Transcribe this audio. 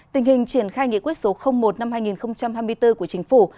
tình hình triển khai nghị quyết số một năm hai nghìn hai mươi bốn của chính phủ